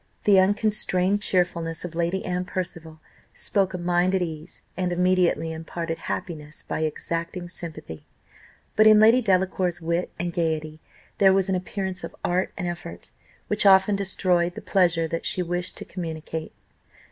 The unconstrained cheerfulness of Lady Anne Percival spoke a mind at ease, and immediately imparted happiness by exacting sympathy; but in Lady Delacour's wit and gaiety there was an appearance of art and effort, which often destroyed the pleasure that she wished to communicate.